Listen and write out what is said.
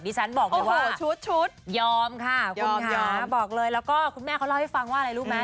ดิฉันบอกเลยว่ายอมค่ะคุณคะบอกเลยแล้วก็คุณแม่เขาเล่าให้ฟังว่าอะไรรู้ไหม